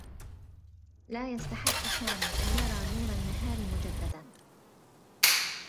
لا يستحقّ سامي أن يرى نور النّهار مجدّدا.